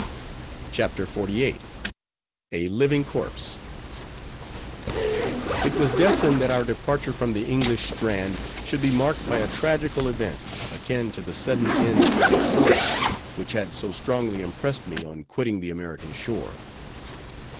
CHAPTER XLVIII. A LIVING CORPSE It was destined that our departure from the English strand, should be marked by a tragical event, akin to the sudden end of the suicide, which had so strongly impressed me on quitting the American shore.